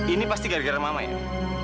ini pasti gara gara mama ini